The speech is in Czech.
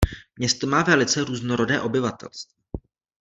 Město má velice různorodé obyvatelstvo.